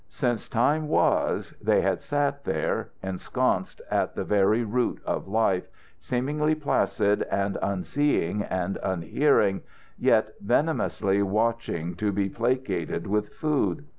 Since time was they had sat there, ensconced at the very root of life, seemingly placid and unseeing and unhearing, yet venomously watching to be placated with food.